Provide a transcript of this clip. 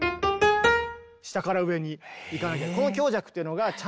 下から上にいかなきゃ。